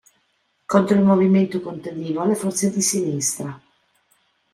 Contro il movimento contadino e le forze di sinistra.